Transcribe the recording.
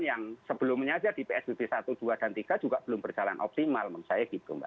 yang sebelumnya aja di psbb satu dua dan tiga juga belum berjalan optimal menurut saya gitu mbak